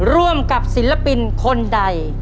ร่วมกับศิลปินคนใด